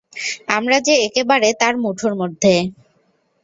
আমরা যে একেবারে তার মুঠোর মধ্যে।